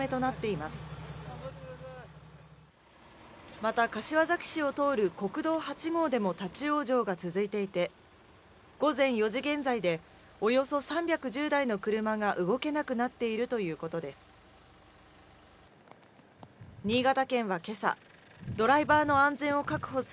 また柏崎市を通る国道８号でも立ち往生が続いていて、午前４時現在で、およそ３１０台の車が動けなくなっているということです。